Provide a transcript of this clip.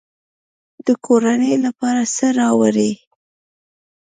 د کورنۍ لپاره څه راوړئ؟